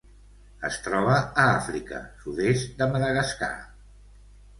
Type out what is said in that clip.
Es troba a Àfrica: sud-est de Madagascar.